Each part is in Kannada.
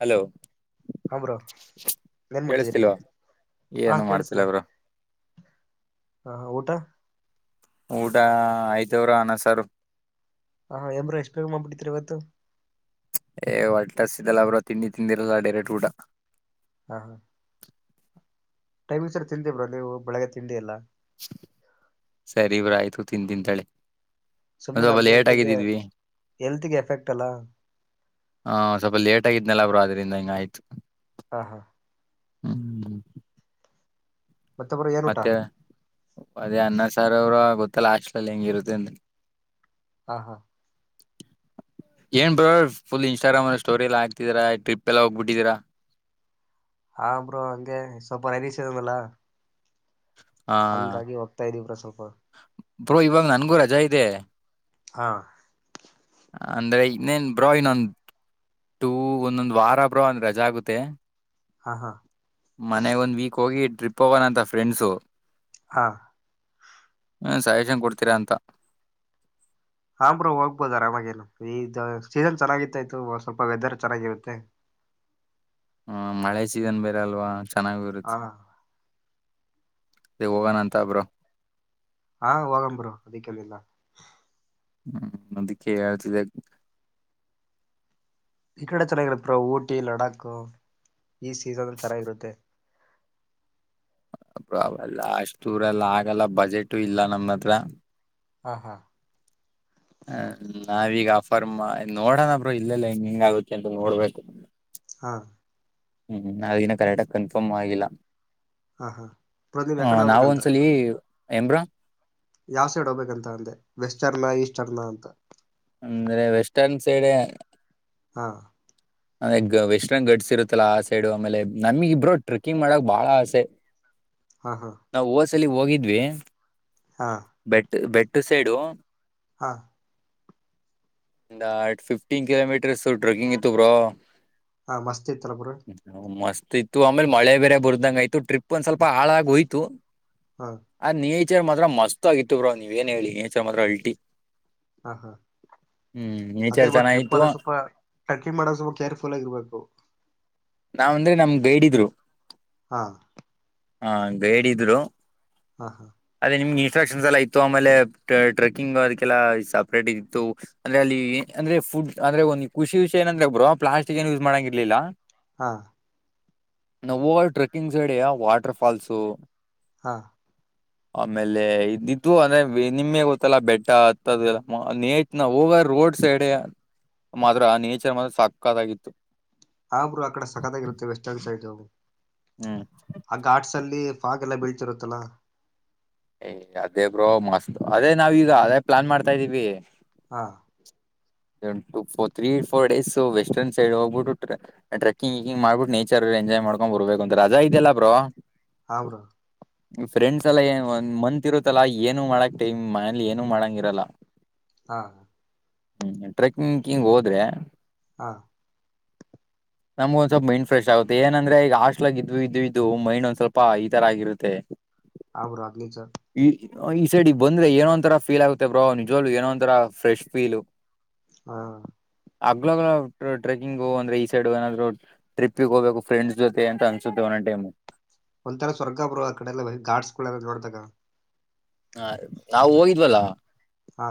ಹಲೋ ಹ ಬ್ರೋ ಏನ್ ಮಾಡ್ತಿದ್ದೀರಿ ಕೇಳಿಸ್ತಿಲ್ವಾ ಹಾ ಏನು ಮಾಡ್ತಿಲ್ಲ ಕೇಳಿಸಿದೆೆ ಬ್ರೋ ಹ ಊಟ ಊಟ ಆಯ್ತು ಬ್ರೋ ಅನ್ನ ಸಾರು. ಹ ಏನ್ ಬ್ರೋ ಇಷ್ಟ ಬೇಗ ಮಾಡ್ಬಿಟ್ಟೀದಿರಿ ಇವತ್ತು ಏ ಹೊಟ್ಟಸಿದಲ್ಲ ಅವರು ತಿಂಡಿ ತಿಂದಿರಲ್ಲಿಲ್ಲ ಡೈರೆಕ್ಟ ಊಟ ಹಾ ಹಾ ಟೈಮಿಂಗ್ ಸರ್ ತಿಂದಿ ಬ್ರೋ ನೀವು ಬೆಳಗ್ಗೆ ತಿಂಡಿ ಎಲ್ಲ ಸರಿ ಬ್ರೋ ಆಯ್ತು ತಿಂತೀನಿ ತೊಗಳಿ ಸುಮ್ನೆ ಸ್ವಲ್ಪ ನಮ್ ಲೇಟ್ ಹೆಲ್ತಿಗೆ ಆಗಿಎದಿದ್ವಿ ಹೆಲ್ತಿಗೆ ಎಫೆಕ್ಟ್ ಅಲ್ಲ ಹ ಸ್ವಲ್ಪ ಲೇಟ್ ಆಗಿದ್ನನೆಲ್ಲ ಬ್ರೋ ಅದಿಕ್ಕೆ ರಿಿಂದ ಹೆಂಗ ಆಯ್ತು ಹ ಹಾ ಹ್ಮ್ ಹ್ಮ್ ಹ್ಮ ಬ್ರೋ ಏನ್ ಊಟ ಮತ್ತೆ ಅದೇ ಅನ್ನ ಸಾರ್ ಅವರ ಗೊತ್ತ ಲಾಸ್ಟ್ಲ್ಲಿ ಹೆಂಗ ಇರುತ್ತೆ ಅಂದ್ರ. ಹಾ ಹಾ ಏನ್ ಬ್ರೋ ಫುಲ್ ಇನ್ಸ್ಟಾಗ್ರಾಮ್ ಅಲ್ಲಿ ಸ್ಟೋರಿ ಎಲ್ಲ ಹಾಕ್ತಿದೀರಾ ಟ್ರಿಪ್ ಎಲ್ಲ ಹೋಗ್ಬಿಟ್ಟಿದೀರಾ. ಹಾ ಬ್ರೋ ಹಂಗೆ ಸ್ವಲ್ಪ ಹರೀಶ ಇನಲ್ಲ ಹಾ ಇದೀವಿ ಬ್ರೋ ಸ್ವಲ್ಪ ಬ್ರೋ ಇವಾಗ ನನ್ಗೂ ರಜಾ ಇದೆ. ಹಾ ಅಂದ್ರೆ ಇನ್ನೇನ್ ಬ್ರೋ ಇನ್ನೊಂದ್ ಟೂ ಒಂದೊಂದ್ ವಾರ ಬ್ರೋ ಒಂದ ರಜೆ ಆಗುತ್ತೆ. ಹಾ ಹಾ ಮನೆ ಒಂದ್ ವೀಕ್ ಹೋಗಿ ಟ್ರಿಪ್ ಹೋಗೋಣಂತ ಫ್ರೆಂಡ್ಸು ಹಾ ಹ್ಮ ಸಜೆಶನ್ ಕೊಡ್ತೀರಾ ಅಂತ ಹಂಬ್ರ ಹೋಗ್ಬೋದರಾಮಗೇನು ಈ ಸೀಸನ್ ಚೆನ್ನಾಗಿತ್ತಾಯತು ಸ್ವಲ್ಪ ವೆದರ್ ಚೆನ್ನಾಗಿರುತ್ತೆ. ಹ್ಮ ಮಳೆ ಸೀಸನ್ ಬೇರೆಲ್ವಾ. ಚೆನ್ನಾಗಿ ಹಾ ಬರುತ್ತೆ ಅದೆ ಹೋಗೋಣ ಅಂತ ಬ್ರೋ ಹಾ ಹೋಗನ ಬ್ರೋ, ಅದಕ್ಕೆನಿಲ್ಲ ಹ್ಮ್ ಅದಕ್ಕೆ ಹೇಳ್ತಿದೆ. ಈ ಕಡೆ ಚೆನ್ನಾಗಿರುತ್ತೆ ಊಟಿ ಲಡಾಖು ಈ ಸೀಸನ್ ಚೆನ್ನಾಗಿರುತ್ತೆ ಅ ಅವಲ್ಲ ಅಷ್ಟ ದೂರಲ್ಲ ಆಗಲ್ಲ ಬಜೆಟು ಇಲ್ಲ ನಮ್ಮ ಹತ್ರ. ಹ ಹಾ ಹ ನಾವೀಗ ಆಫ ಪರ್ಮ ನೋಡೋಣಬ್ರು ಇಲ್ಲೆಲ್ಲ ಹೆಂಗ ಹೆಂಗ್ ಆಗುತ್ತೆ ಅಂತ ನೋಡ್ಬೇಕು ಹಾ ಹಿನ್ನ್ ಹಿನ್ನ ಕರೆಕ್ಟಗೀ ಕನ್ಫರ್ಮ್ ಆಗಿಲ್ಲ. ಹ ಹಾ ಪ್ರತಿಬ್ ಯಕಡ ಹೋಬೇಕಂತ. ಏನಬ್ರೋ ಯಾವ್ ಸೈಡ್ ಹೋಬೇಕಂತ ಅಂದೆ ವೆಸ್ಟರ್ನಾ ಈಸ್ಟರ್ನಾ ಅಂತ. ಅಂದ್ರೆ ವೆಸ್ಟರ್ನ್ ಸೈಡೇ. ಹಾ ಈಗ ವೆಸ್ಟರ್ನ್ ಗಡ್ಸ್ ಇರುತ್ತಲ್ಲಾ ಆ ಸೈಡು ಆಮೇಲೆ ನಮಗಿಬ್ರು ಟ್ರೆಕ್ಕಿಂಗ್ ಮಾಡಕ್ ಬಾಳ ಆಸೆ. ಹಾ ಹಾ ತಿ ಅಲ್ಲಿಗ್ ಹೋಗಿದ್ವಿ. ಹಾ ಬೆಟ್ಟುದ ಸೈಡು ಹಾ ಫಿಫ್ಟೀನ್ ಕಿಲೋಮೀಟರ್ಸ್ ಟ್ರೆಕಿಂಗ್ ಇತ್ತು ಬ್ರೋ. ಹ [inaudible] ಹಾ ಮಸ್ತ್ ಇತ್ತಾಲ್ ಬ್ರೋ ತ್ತು ಆಮೇಲೆ ಮಳೆ ಬೇರೆ ಬರ್ದ್ದಂಗ ಆಯ್ತು ಟ್ರಿಪ್ ಒಂದ ಸ್ವಲ್ಪ ಹಾಳಾಗಿ ಹೋಯ್ತು. ಹಾ ಆ ನೀ ನೇಚರ್ ಮಾತ್ರ ಮಸ್ತ್ ಆಗಿತ್ತು ಬ್ರೋ ನೀವ ಏನ್ ಹೇಳಿ ನೇಚರ್ ಮಾತ್ರ ಅಲ್ಟಿ. ಹಾ ಹಾ ಹ್ಮ್ ಅದೇ ನೇಚರ್ ಒಬ್ ಟ್ರಿಪ್ ಚೆನ್ನಾಗಿತ್ತು ಅಲ್ಲ ಸ್ವಲ್ಪ ಟ್ರೆಕಿಂಗ್ ಮಾಡ ಸ್ವಲ್ಪ ಕೇರ್ಫು ಪುಲಗೀರ್ಬೇಕು ನಾವ್ ಅಂದ್ರೆ ನಮ್ ಗೈಡ್ ಇದ್ರು ಹಾ ಹಾ ಗೈಡ್ ಇದ್ರು. ಹಾ ಹಾ ಅದೇ ನಿಮ್ಗೆ ಇಷ ಇನಕ್ಷನ್ ಎಲ್ಲಾ ಇತ್ತು ಆಮೇಲೆ ಟ್ರೆಕ್ಕಿಂಗ್ ಅದಕ್ಕೆಲ್ಲ ಸಪರೇಟ್ ಇತ್ತು ಅಂದ್ರೆ ಅಲ್ಲಿ ಅಂದ್ರೆ ಫುಡ್ ಅಂದ್ರೆ ಒಂದು ಖುಷಿ ವಿಷ ಏನಂದ್ರೆ ಬ್ರೋ ಪ್ಲಾಸ್ಟಿಕ್ ಏನ್ ಯೂಸ್ ಮಾಡಂಗಾಗಿರ್ಲಿಲ್ಲ. ಹಾ ನವಲ್ ಟ್ರೆಕ್ಕಿಂಗ್ ಜಡೆಯ ವಾಟರ್ ಫಾಲ್ಸು ಹಾ ಆಮೇಲೆ ಇದಿದ್ದು ಅಂದ್ರೆ ನಿಮಗೆ ಗೊತ್ತಲ್ಲಾ ಬೆಟ್ಟ ಹತ್ತದ ನೇಚ್ನ ಹೋಗ ರೋಡ್ ಸೈಡ್ ಮಾತ್ರ ಆ ನೇಚರ್ ಮಾತ್ರ ಸಾಕ್ಕಾದಾಗಿತ್ತು ಹಾ ಪುರ ಕಡ ಸಕದಾಗಿರುತ್ತೆ ವೆಸ್ಟರ್ನ್ ಸೈಡು. ಹ್ಮ್ ಆಗ ಘಾಟ್ಸ್ ಅಲ್ಲಿ ಫಾಗ ಎಲ್ಲ ಬೀಳ್ತಿರುತ್ತಲಾ. ಏ ಅದೇ ಬ್ರೋ ಮಸ್ತ್ ಅದೇ ನಾವೀಗ ಅದೇ ಪ್ಲಾನ್ ಮಾಡ್ತಾ ಇದ್ದೀವಿ. ಹಾ ಟ ೋರ್ three four days western side ಹೋಗ್ಬಿಟ್ಟು ಟ್ರಕ್ಕಿಂಗ್ಿಂಗ್ ಮಾಡ್ಬಿಟ್ಟು ನೇಚರ್ ಎಂಜ್ಕೊಂಡ್ ಬರ್ಬೇಕು ಅಂತ ರಾ ಇದೆಯಲ್ಲಾ ಬ್ರೋ ಹಾ ಬ್ರೋ ಫ್ರೆಂಡ್ಸ್ ಎಲ್ಲ ಏ ಒನ್ ಮಂತ್ ಇರುತ್ತಲ್ಲಾ ಏನು ಮಾಡಕ್ ಟೈಮ್ ಮನಲಿ ಏನು ಮಾಡಂಗ ಇರಲ್ಲ. ಹಾ ಹ್ಮ್ ಟ್ರೆಕ್ಕಿಂಗ್ ಹಿಂಗ್ ಹೋದ್ರೆ. ಹಾ ನಮ್ಗ ಒಂದ ಸ್ವಲ್ಪ ಮೈಂಡ್ ಫ್ರೆಶ್ ಆಗುತ್ತೆ ಏನಂದ್ರೆ ಈಗ ಹಾಸ್ಟ್ಲಗ ಇದ ಇದ ಇದು ಮೈಂಡ್ ಒಂದ್ ಸ್ವಲ್ಪ ಈ ತರ ಆಗಿರುತ್ತೆ ಆವುರಗ್ಲಲಿಚ ಈ ಈ ಸೈಡ್ಗ್ ಬಂದ್ರೆ ಏನ ಒಂತರ ಫೀಲ್ ಆಗುತ್ತೆ ಬ್ರೋ ನಿಜವಲ್ಲ ಏನ ಒಂರ ಫ್ರೆಶ ಫೀಲ್ ಹಾ ಅಗ್ಲಗ್ ಟ್ರೆಕಿಂಗು ಅಂದ್ರೆ ಈ ಸೈಡ್ ಏನಾದ್ ಟ್ರಿಪಿಗೆ ಹೋಗಬೇಕು ಫ್ರೆಂಡ್ಸ್ ಜೊತೆ ಅಂತ ಅನ್ಸುತ್ತೆ ಒಂದ್ ಟೈಮ್ ಒಂಥರ ಸ್ವರ್ಗ ಬರು ಆ ಕಡೆ ಎಲ್ಲ ಗಾಟ್ಸ್ಗಳೆಲ್ಲ ನೋಡ್ದಾಗ ಹಾ ನಾವು ಹೋಗಿದ್ವಲ್ಲ ಹಾ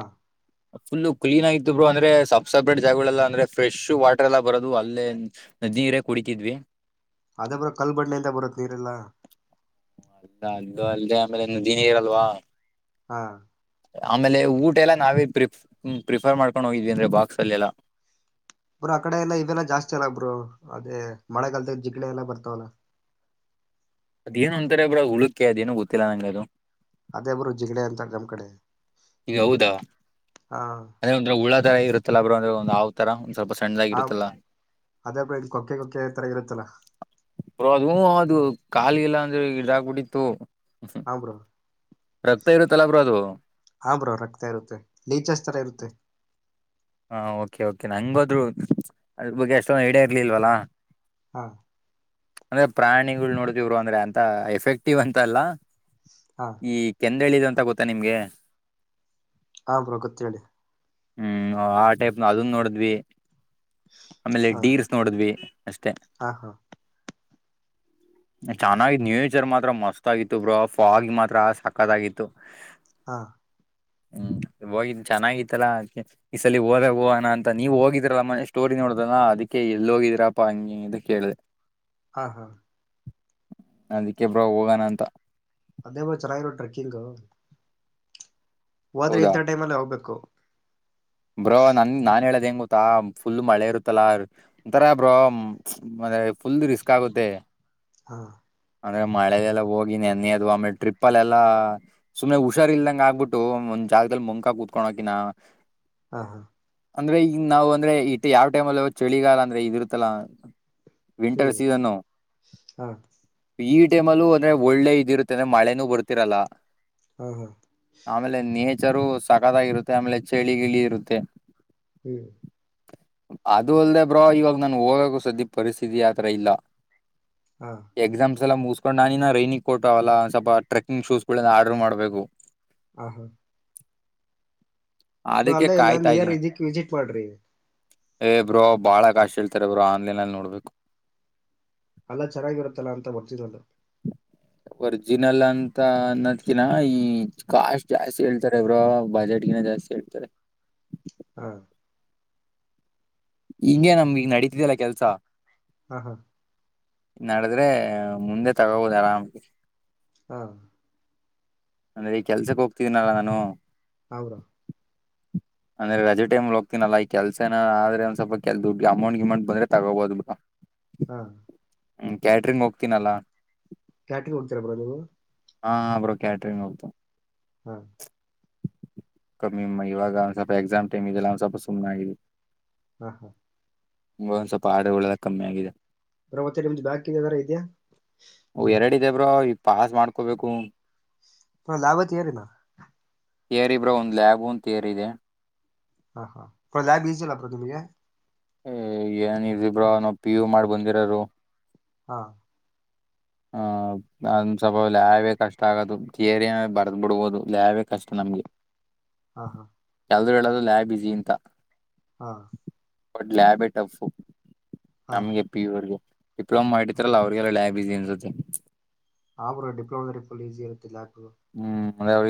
ಫುಲ್ಲು ಕ್ಲೀನ್ ಆಗತ್ ಬರು ಅಂದ್ರೆ ಸಬ್ ಸಪ್ರೇಟ್ ಜಾಗಗಳೆಲ್ಲ ಅಂದ್ರೆ ಫ್ರೆಶ್ ವಾಟರ್ ಎಲ್ಲ ಬರೋದು ಅಲ್ಲೇ ನದಿರ ಕುಡಿತಿದ್ವಿ ಅದ ಬರೋ ಕಲ್ಬಣ್ಣೆ ಎಂತ ಬರುತ್ ನೀರೆಲ್ಲಾ ಅಲ್ಲದ ಅಲ್ದು ಅಲ್ಲದೆೇ ಆಮೇಲೆ ಇನ್ನು ದಿನಿ ಇರಲ್ವಾ ಹಾ ಆಮೇಲೆ ಊಟ ಎಲ್ಲಾ ನಾವೇ ಪ್ರಿಫ ಪ್ರಿಫರ್ ಮಾಡ್ಕೊಂಡು ಹೋಗಿದವಿ ಅಂದ್ರೆ ಬಾಕ್ಸ್ ಅಲ್ಲೆಲ್ಲ ಬ್ರ ಆ ಕಡೆ ಎಲ್ಲಾ ಇವೆಲ್ಲ ಜಾಸ್ತಿ ಅಲ್ಲ ಬ್ರೂ ಅದೇ ಮಳೆಗಾಲದ ಜಿಗಣ ಎಲ್ಲ ಬರ್ತಾವಲ್ಲ ಅದೇನು ಅಂತಾರೆ ಬ್ರೋ ಹುಳಕ್ಕೆ ಅದೇನು ಗೊತ್ತಿಲ್ಲ ನಂಗ್ಗೆ ಅದು ಅದೇ ಬರು ಜಿಗಡೆ ಅಂತ ನಮ್ಮ್ ಕಡೆ ಈಗ ಹೌದಾ ಹಾ ಅದೇ ಒಂಥರ ಹುಳಾ ತರ ಇರುತ್ತೆ ಲ ಅಂದ್ರ ಒಂದು ಅವ್ ತರ ಸ್ವಲ್ಪ ಹ ಸಣ್ಣಾಗಿರುತ್ತಲ್ಲ ಅದೇ ಬ್ರೋ ಇಲ್ ಕೊಕ್ಕೆ ಕೊಕ್ಕೆ ತರ ಇರುತ್ತಲ್ಲ ಅದು ಅದು ಕಾಲಿಗೆಲ್ಲ ಅಂದ್ರೆ ಗಿಡಬಡಿತತ್ತು ಹ ಬ್ರೋ ಇರುತ್ತಲ್ಲ ಬ್ರೋ ಅದು ಹ ಬ್ರೋ ರಕ್ತ ಇರುತ್ತೆ ಲಚಸ್ತರ ಇರುತ್ತೆ ಹಾ ಓಕೆ ಓಕೆ ನಂಗಗೆ ಹೋದ್ರು ಅ ಬಗ್ ಎಷ್ಟೊ ಹಡೇ ಇರ್ಲಿಲ್ವಲ್ಲಾ ಹಾ ಅಂದ್ರೆ ಪ್ರಾಣಿಗಳು ನೋಡತಿವ್ರು ಅಂದ್ರೆ ಅಂತ ಎಫೆಕ್ಟಿವ್ ಅಂತ ಅಲ್ಲ ಹಾ ಈ ಕೆನ್ ಹೇಳಿದ ಅಂತ ಗೊತ್ತಾ ನಿಮ್ಗೆ ಹಾ ಬ್ರೋ ಗೊತ್ತು ಹೆಳಿ ಹ್ಮ್ ಹ ಆ ಟೈಪ್ ನ ಅದನ್ ನೋಡಿದ್ವಿ ಆಮೇಲೆ ಹಾ ಡೀರ್ಸ್ ನೋಡಿದ್ವಿ ಅಷ್ಟೆ ಹಾ ಹಾ ಚೆನ್ನಾಗಿ ನ್ಯೇಚರ್ ಮಾತ್ರ ಮಸ್ತ್ ಆಗಿತ್ತು ಬ್ರ ಫಾಗ ಮಾತ್ರ ಸಕತ್ಗಿತ್ತು ಹಾ ಹ್ಮ್ ಹೋಗ ಚೆನ್ನಾಗಿತ್ತಲ್ಲಾ ಅದಕೆ ಈ ಸಲಿ ಹೋದ ಹೋಣ ಅಂತ ನೀವ್ ಹೋಗಿದಿರಲ್ಲ ಮನೆ ಸ್ಟೋರಿ ನೋಡುದಲ್ಲ ಅದಕ್ಕೆ ಎಲ್ಲಿ ಹೋಗಿದೀರಾಪ್ಪಾ ಹಂಗಗೆ ಇದಕ್ಕೆೇಳ ಹೇಳ್ದಿದೆ ಹಾ ಹಾ ಅದಕ್ಕೆ ಬ್ರೋ ಹೋಗೋಣ ಅಂತ ಅದೇಬ ಚಲಾಯಲ್ಲ ಟ್ರೆಕ್ಕಿಂಗ್ ಹೋದ್ರೆ ಹೌದಾ ಇಂಥ ಟೈಮ್ಲ್ಲಿ ಹೋಗ್ಬೇಕು ಬ್ರೋ ನನ್ ನಾನ್ ಹೇಳದ ಹೆಂಗ ಗೊತ್ತಾ ಫುಲ್ ಮಳೆ ಇರುತ್ತಲ್ಲ ಒಂಥರ ಬ್ರೋ ಮ ಫುಲ್ ರಿಸ್ಕ್ ಆಗುತ್ತೆ ಹಾ ಅಂದ್ರೆ ಮಳೆಲೆಲ್ಲಾ ಹೋಗಿ ನೆನೆ ಅದು ಆಮೇಲೆ ಟ್ರಿಪ್ಲ್ ಎಲ್ಲಾ ಸುಮ್ನೆ ಹುಷಾರ್ ಇಲ್ದಂಗ ಆಗ್ಬಿಟ್ಟು ಒಂದ್ ಜಾಗದಲ್ಲಿ ಮುಂಕ ಕುೂತ್ಕೊಂಡಕಿನ ಹಾ ಹಾ ಅಂದ್ರೆ ಈ ನಾವು ಅಂದ್ರೆ ಇ ಯಾವ ಟೈಮ ಅಲ್ಲಿ ಚಳಿಗಾಲ ಅಂದ್ರೆ ಇದ ಇರುತ್ತಲ್ಲ ಹ್ಮ್ ಹಾ ಈ ಟೈಮ್ ಅಲ್ಲೂ ಅಂದ್ರೆ ಒಳ್ಳೆ ಇದಿ ಇರುತ್ತೆ ಅಂದ್ರೆ ಮಳೆನೂ ಬರ್ತಿರಲ್ಲ ಹಾ ಹಾ ಹೆಚ್ಚರು ಸಕ ಆಗಿರುತ್ತೆ ಆಮೇಲೆ ಚಳಿ ಗಿಳಿ ಇರುತ್ತ ಹ್ಮ್ ಅದು ಅಲ್ದೆ ಬ್ರೋ ಇವಾಗ ನಾನು ಹೋಗಕ್ಕು ಸ್ದಿ ಪರಿಸ್ಥಿತಿ ಆತರ ಇಲ್ಲ ಹಾ ಎಕ್ಸಾಮ್ ಸ ಎಲ್ಲ ಮುಗಸ್ಕೊಂಡ್ ನಾನಿನ ರೈನಿಕ್ಟ್ ಅವಲ್ಲಂದ ಸ್ವಲ್ಪ ಟ್ರೆಗ್ ಶೂಸ್ಗಳ ಆರ್ಡರ್ ಮಾಡ್ಬೇಕು ಹ ಹಾ ಅದಕ್ಕೆ ಕಾಯ್ತಾ ಇಲ್ಲಾಂದಏರ್ ಇದ್ದೀನಿ ಇದಿಕ್ ವಿಸಿಟ್ ಮಾಡ್ರಿ ಏ ಬ್ರೋ ಬಾಳ ಕಾಶ್ ಹೇಳ್ತಾರ ಬ್ರೋ ಆನ್ಲೈನ್ ಅಲ್ಲಿ ನೋಡ್ಬೇಕು ಅಲ್ಲಾ ಚೆನ್ನಾಗಿರುತ್ತಲ್ಲ ಅಂತ ಬರ್ತಿದ್ ಅದು ಒರ್ಜಿನಲ್ ಅಂತ ಅನ್ನೋದ್ಕಿನ ಈ ಕಾಸ್ಟ್ ಜಾಸ್ತಿ ಹೇಳ್ತಾರೆ ಇ್ರ ಬಜೆಟ್ಗಿನ ಜಾಸ್ತಿ ಹೇಳ್ತಾರೆ ಹಾ ಹಿಂ ನಮ್ಗೆಗ್ ನಡತಿದಲ್ಲ ಕೆಲ್ಸ ಹ್ಮ ಹಾ ನಡದ್ರೆ ಮುಂದೆ ತಗೋಬುದು ಆರಾಮ್ ಹಾ ಅಂದ್ರೆ ಈ ಕೆಲ್ಸಕ್ ಹೋಗ್ತಿದನಲ್ಲ ನಾನು ಅವೌರ ಅಂದ್ರೆ ರಜೆಟೈಮ್ ಹೋಗ್ತನಲ್ಲ ಈ ಕೆಲ್ಸನ ಆದ್ರೆ ಒಂದ ಸ್ವಲ್ಪಲ್ ದುಡ್ಡುಡ ಅಮೌಂಟ್ ಗಮೌಂಟ್ ಬಂದ್ರೆ ತಗೋಬಹದು ಬಿಟ್ಟಾ ಹ್ಮ ಹ್ಮ ಕ್ಯಾಟ್ರಿಂಗ್ ಹೋಗ್ತೀನಲ್ಲಾ ಕ್ಯಾಟಿಗೆ ಹೋಗಡ್ತೀರ ಬ್ರಾ ನೀವು ಹಾರೋ ಕ್ಯಾಟ್ರಂಗ್ ಹೋಗ್ತ ಹ್ಮ್ ಕಮ್ಮಿಮ್ಮ ಇವಾಗ ಅವ್ ಸ್ವಲ್ಪ ಎಕ್ಸಾಮ್ ಟೈಮ್ ಇದೆಲ್ಲ ಅವ್ ಸ್ವಲ್ಪ ಸುಮ್ನೆ ಇ ಹಾ ಹಾ ಒಂದ್ ಸ್ವಲ್ಪ ಹಾಡುಗಳಳ್ಳೆ ಕಮ್ಮಿ ಆಗಿದೆ ಪವತ್ತ ನಿಮ್ದು ಬಾಕರ ಇದೆಯಾ ಇದೇ ಬ್ರೋ ಈ ಪಾಸ್ ಮಾಡ್ಕೋಬೇಕು ತ ಲಾವತ ಯಾರ ನ ಏರಿಬ್ರೋ ಒಂದು ಲ್ಯಾಬ್ ಅಂತ ಏರಿದೆ ಹ ಹಾ ಪ್ರದಾ ಬಿ ಚಲ್ಲ ಪ್ರತಿಗೆ ಏನ್ ಇರ್ದಿಬ್ರೋ ನೊ ಪಿ ಯು ಮಾಡ್ ಬಂದಿರರು ಹಾ ಆಹ್ ಅಂದ ಸ್ವಭ ಲ್ಯವೇ ಕಷ್ಟ ಆಗೋದು ಯರಿಯನ ಬರ್ದ್ ಬಿಡ್ಬೋದು ಲಲ್ಯವೇ ಕಷ್ಟ ನಮ್ಗೆ ಹಾ ಹಾ ಕೆಲ ಹೇಳದು ಲ್ಯಾಬ್ ಬಸಿ ಅಂತ ಹಾ ಒಟ್ಲ ಆಬೇಟಪ್ಪು ಹಾ ನಮ್ಗೆ ಪಿಯೂರ್ಗೆ ಡಿಪ್ಲೋಮ ಆತ್ರಲ್ಲ ಅವರಿಗೆ ಬಿಜಿ ಅಂದ್ರು [inaudible] ಅವರು ಡಿಪ್ಲೊಮರಿಫಲ್ ಈಸಿ ಇರುತ್ತಲ್ಲ ಹ್ಮ್ ಅಂದ್ರೆ ಅವ್ರ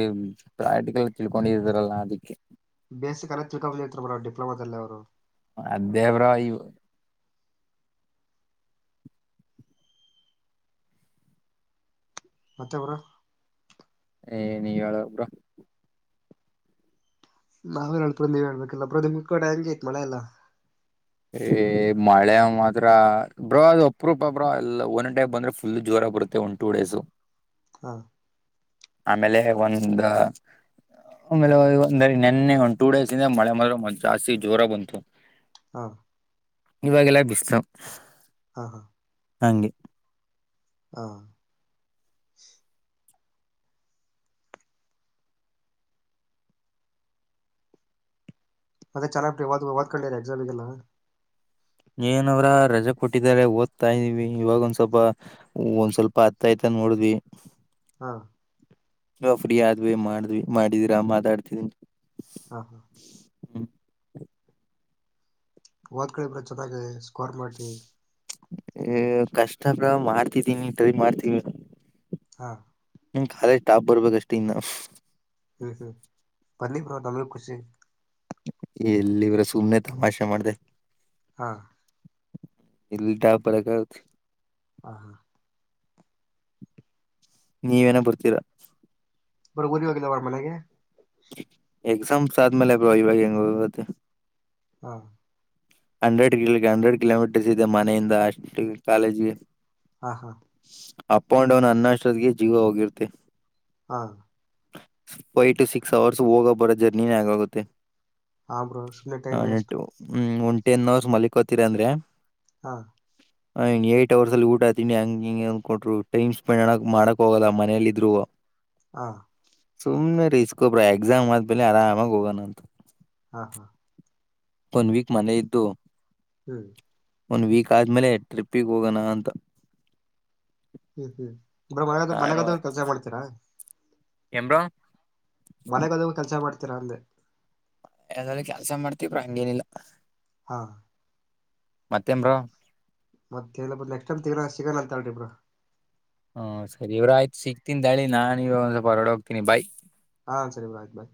ಪ್ರಾಕ್ಟಿಕಲ್ ತಿಳ್ಕೊಂಡಿದಾರಲ್ಲಾ ಅದಕ್ಕೆ ಬೇಸಿಕ್ಲತಿತ್ರಕಾವುಲಿ ಹತ್ರ ಮಾಡರು ಡಿಪ್ಲೊಮಾದಲ್ಲ ಅವರು ಅದೇ ಬ್ರೋ ಇವ್ ಮತ್ತೆ ಅವರ ಏ ನೀವ ಹೇಳ ಒಬ್ರ ನಾವ್ ಹೇಳ್ತ ನೀವ್ ಹೇಳ್ಬೇಕಿಲ್ಲ ಬದಿ ಮು ಕಡೆ ಹೆಂಗೆ ಐತ್ ಮಳೆಲ್ಲಾ ಏ ಮಳೆ ಮಾತ್ರ ಬ್ರೋ ಅದು ಒಪ್ರೊಪ ಬ್ರೋ ಎಲ್ಲ ಒನ್ ಟೈಪ್ ಬಂದ್ರೆ ಫುಲ್ ಜೋರು ರ ಬರುತ್ತೆ ಒನ್ ಟೂ ಡೇಸ್ ಹಾ ಆಮೇಲೆ ಒಂದ ಆಮೇಲೆ ಒಂದ ನಿನ್ನೆ ಒಂದ್ ಟೂ ಡೇಸ್ಂದ ಮಳೆ ಮದೆ ಜಾಸ್ತಿ ಜೋರ ಬಂತು ಹ ಇವಾಗೆಲ್ಲ ಬಿಸ್ಲ ಹಾ ಹಾ ಹಂಗಗೆ ಹಾ ಮತ್ತೆ ಚಲವಾದ ಓದ್ಕಂಡಿದ್ರಾ ಕಲ ಎಕ್ಸಾಮ್ ಗೆಲ್ಲ ಏನವ್ರ ರಜೆ ಕೊಟ್ಟಿದಿದ್ದಾರೆ ಓದ್ತಾ ಇದ್ವಿ ಇವಾಗ ಒಂದ್ ಸ್ವಲ್ಪ ಒಂದ್ ಸ್ವಲ್ಪ ಹತ್ತ ಆಯ್ತ ಅಂದ ನೋಡಿದ್ವಿ ಹಾ ನ ಫ್ರೀ ಆದ್ವಿ ಮಾಡ್ವಿ ಮಾಡಿದೀರಾ ಮಾತಾಡ್ತಿದೀನ ಹಾ ಹಾ ಹ್ಮ ಓದ್ ಕಡೆರ ಚೆನ್ನಾಗ ಸ್ಕೋರ್ ಮಾಡ್ರಿ ಹ ಕಷ್ಟಪ ಮಾಡ್ತಿದೀನಿ ಟ್ರೈ ಮಾಡ್ತೀವಿ ಹಾ ಹ್ ಕಾಲೇಜ್ ಸ್ಟಾಪ್ ಬರ್ಬೇಕಷ್ಟ ಇಂದ ಹ್ಮ್ ಹ್ಮ್ ಬನ್ನಿ ಬ್ರೋ ನಮಗು ಕುಷಿ ಎಲ್ಲಿವರ ಸುಮ್ನೆ ತಮಾಷೆ ಮಾಡ್ದ ಹಾ ಇಲ್ಲಿ ಡಾಬ್ ಬರಕ ಆಗತ್ ಹಾ ಹಾ ನೀವೇನ ಬರ್ತೀರಾ ಬರಗುರಿ ವೋಗಲ್ಲ ಅವರ ಮನೆಗೆ ಎಕ್ಸಾಮ್ ಸಾ ಮಲೆಭಾಗಂಗತ್ತ ಹಾ ಹಂಡ್ರೆಡ್ ಕಿಲೋಮಿಟರ್ ಹಂಡ್ರೆಡ್ ಕಿಲೋಮೀಟರ್ಸ್ ಇದೆ ಮನೆಯಿಂದ ಅಷ್ಟು ಕಾಲೇಜಿಗೆ ಹಾ ಹಾ ಅಪ್ ಅಂಡ್ ಡೌನ್ ಅನ್ನಾಶ್ರತೆಗೆ ಜೀವ ಹೋಗಿರುತ್ತೆ ಹಾ ಫೈವ್ ಟು ಸಿಕ್ಸ್ ಅವರ್ಸ್ ಹೋಗ ಬರೋ ಜರ್ನಿನೇ ಆಗಾಗುತ್ತೆ ಹಾ ಬ್ರೋ ಸುಮ್ಮನೆ ಹ ಟೈಮ್ ವೇಸ್ಟ್ ನಟ್ಟು ಹ್ಮ್ ಒ ಟೆನ್ ಅವರ್ಸ್ ಮಲ್ಲಿಕೂತೀರ ಅಂದ್ರೆ ಹಾ ಹ್ನ್ ಏಟ್ ಅವರ್ ಅಲ್ಲಿ ಊಟಾತನಿ ಹಂಗ ಹಿಂಗ ಅಂದನ್ಕಟ್ರು ಟೈಮ್ ಸ್ಪೆಂಡ್ ಅಣಕ್ ಮಾಡಕ್ ಹೋಗಲ್ಲ ಮನೇಲ್ಲ ಇದ್ರು ಹಾ ಸುಮ್ಮ್ನೆ ರೀಸ್ಕೊ ಬ್ರೋ ಎಕ್ಸಾಮ್ ಆದ್ಮೇಲೆ ಆರಾಮಾಗಿ ಹೋಗೋಣ ಅಂತ ಹಾ ಹಾ ಒನ್ ವೀಕ್ ಮನೆ ಇದ್ದು ಹ್ಮ್ ಒನ್ ವೀಕ್ ಆದ್ಮೇಲೆ ಟ್ರಿಪ್ಪಿಗೆ ಹೋಗೋಣ ಅಂತ ಹ್ಮ್ ಹ್ಮ್ ಬ್ರೊ ಮ ನಾನು ಮನಗಾದ ಕೆಲಸ ಮಾಡ್ತೀರಾ ಏನ್ ಬ್ರೋ ಮನೆಗ ಹದ ಕೆಲ್ಸ ಮಾಡ್ತೀರ ಅಂದೆ ಯ್ರೂ ಕೆಲ್ಸ ಮಾಡ್ತವ್ರ ಹಂಗೇನಿಲ್ಲ ಹಾ ಮತ್ತ ಏನ್ ಬ್ರೋ ಮತ್ತೆ ಇ ನೆಕ್ಸ್ಟ್ ಟೈಮ್ ತಗೋ ಸಿಗಣ ಅಂತ ಹೇಳಿಬ್ರು ಹ್ಮ ಸರಿ ಇವ್ರ ಆಯ್ತು ಸಿಗ್ತನ್ಳಿ ನಾನವ ಒಂದ್ ಸ್ವಲ್ ಹೊರಡ ಹೋಗ್ತೀನಿ ಬಾಯ ಹಾ ಸರಿ ಬಾಯ್ತ್ ಬಾಯ್